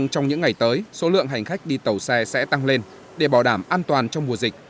trong những ngày tới số lượng hành khách đi tàu xe sẽ tăng lên để bảo đảm an toàn trong mùa dịch